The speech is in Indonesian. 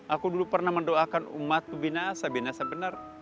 aku dulu pernah mendoakan umatku binasa binasa benar